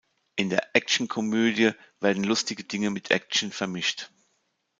In der Actionkomödie werden lustige Dinge mit Action vermischt.